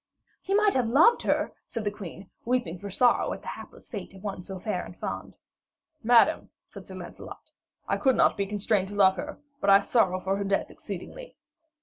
'Ye might have loved her,' said the queen, weeping for sorrow at the hapless fate of one so fair and fond. 'Madam,' said Sir Lancelot, 'I could not be constrained to love her, but I sorrow for her death exceedingly.'